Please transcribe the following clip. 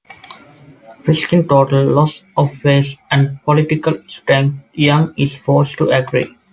Risking total loss of face and political strength, Young is forced to agree.